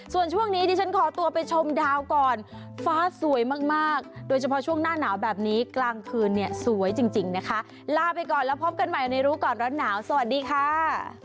ส่วนช่วงนี้ดิฉันขอตัวไปชมดาวก่อนฟ้าสวยมากโดยเฉพาะช่วงหน้าหนาวแบบนี้กลางคืนเนี่ยสวยจริงนะคะลาไปก่อนแล้วพบกันใหม่ในรู้ก่อนร้อนหนาวสวัสดีค่ะ